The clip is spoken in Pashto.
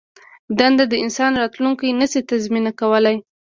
دنده د انسان راتلوونکی نه شي تضمین کولای.